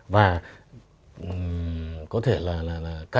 và có thể là là